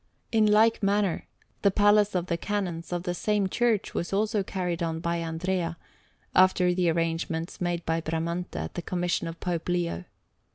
In like manner, the Palace of the Canons of the same church was also carried on by Andrea, after the arrangements made by Bramante at the commission of Pope Leo.